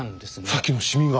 さっきのシミが！